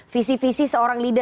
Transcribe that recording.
visi visi seorang leader